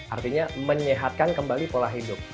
artinya menyehatkan kembali pola hidup